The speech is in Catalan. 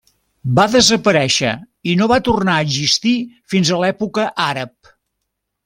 Va desaparèixer i no va tornar a existir fins a l'època àrab.